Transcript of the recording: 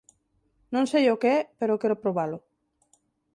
Non sei o que é, pero quero probalo.